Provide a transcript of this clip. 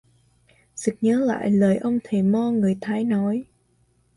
Sực nhớ lại lời ông thầy mo người thái nói